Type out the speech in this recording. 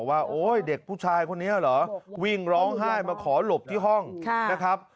โอ๊ยเด็กผู้ชายคนนี้เหรอวิ่งร้องไห้มาขอหลบที่ห้องนะครับ